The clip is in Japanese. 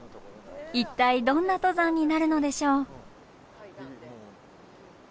一体どんな登山になるのでしょう？